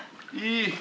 いい。